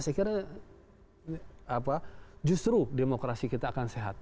saya kira justru demokrasi kita akan sehat